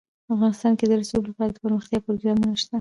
افغانستان کې د رسوب لپاره دپرمختیا پروګرامونه شته.